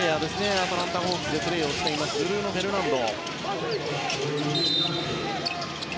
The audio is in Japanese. アトランタ・ホークスでプレーするブルーノ・フェルナンド。